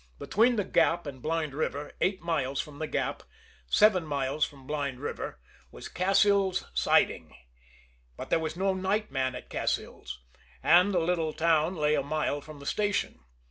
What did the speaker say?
Between the Gap and Blind River, eight miles from the Gap, seven miles from Blind River, was Cassil's Siding. But there was no night man at Cassil's, and the little town lay a mile from the station.